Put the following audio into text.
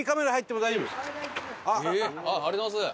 ありがとうございます。